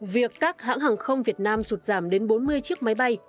việc các hãng hàng không việt nam sụt giảm đến bốn mươi chiếc máy bay